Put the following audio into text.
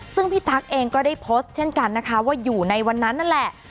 ซึ่งพี่ตั๊กเองก็ได้โพสต์เช่นกันนะคะว่าอยู่ในวันนั้นนั่นแหละ